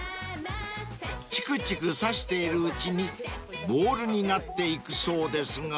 ［ちくちく刺しているうちにボールになっていくそうですが］